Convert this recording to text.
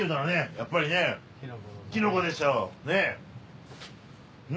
やっぱりねキノコでしょう。